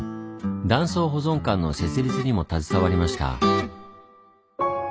断層保存館の設立にも携わりました。